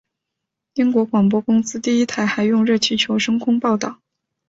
英国广播公司第一台还用热气球升空报导。